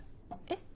え？